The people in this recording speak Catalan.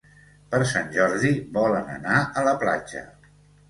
Per Sant Jordi volen anar a la platja.